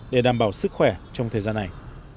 để đảm bảo sức khỏe trong thời gian này